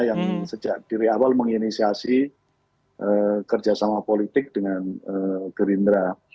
yang sejak diri awal menginisiasi kerjasama politik dengan gerindra